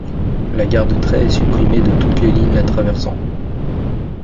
La gare de Trey est supprimée de toutes les lignes la traversant.